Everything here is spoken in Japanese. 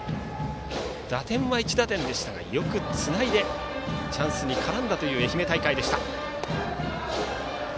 打点は１打点でしたがよくつないでチャンスに絡んだという愛媛大会でした。